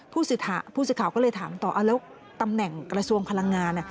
ผู้สื่อข่าวก็เลยถามต่อแล้วตำแหน่งกระทรวงพลังงาน